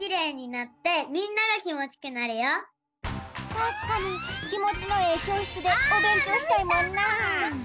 たしかにきもちのええきょうしつでおべんきょうしたいもんな。